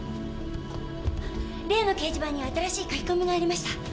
例の掲示板に新しいカキコミがありました。